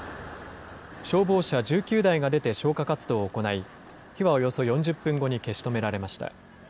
消防車１９台が出て消火活動を行い、火はおよそ４０分後に消し止められました。